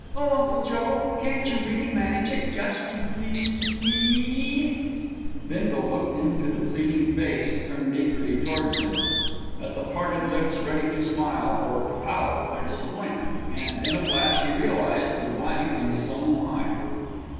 Oh, Uncle Joe! can't you really manage it just to please meeee?" Bindle looked into the pleading face turned eagerly towards him, at the parted lips ready to smile, or to pout their disappointment and, in a flash, he realised the blank in his own life.